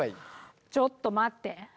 ちょっと待って。